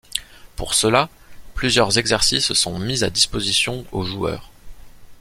Pour cela, plusieurs exercices sont mis à disposition au joueur.